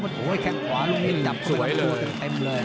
โอ้โหแค่ขวาลูกนี้จับตัวเต็มเลย